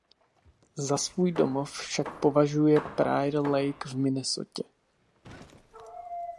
Za svůj domov však považuje Prior Lake v Minnesotě.